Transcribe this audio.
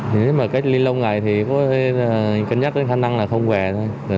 nếu mà cái ly lâu ngày thì có thể canh nhắc đến khả năng là không về thôi